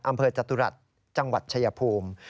อำเภอจตุรัสจังหวัดชะยภูมิ